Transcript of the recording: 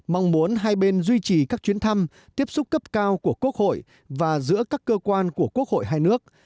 mong muốn hai bên duy trì các chuyến thăm tiếp xúc cấp cao của quốc hội và giữa các cơ quan của quốc hội hai nước